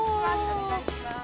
お願いします。